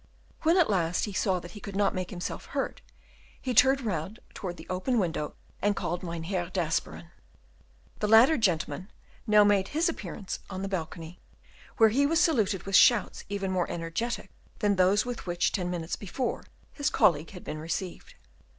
When, at last, he saw that he could not make himself heard, he turned round towards the open window, and called Mynheer d'Asperen. The latter gentleman now made his appearance on the balcony, where he was saluted with shouts even more energetic than those with which, ten minutes before, his colleague had been received.